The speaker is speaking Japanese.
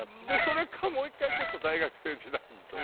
でそれかもう一回ちょっと大学生時代に。